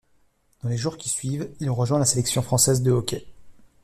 Dans les jours qui suivent, il rejoint la sélection française de hockey.